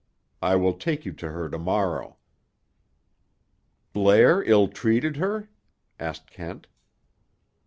I will take you to her to morrow." "Blair ill treated her?" asked Kent.